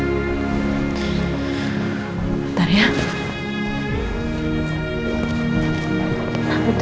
kalau dia nikah itu